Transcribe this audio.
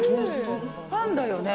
パンだよね？